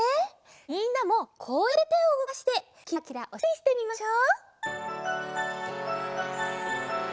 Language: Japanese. みんなもこうやっててをうごかしてキラキラおしゃべりしてみましょう。